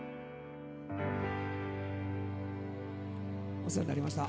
お世話になりました。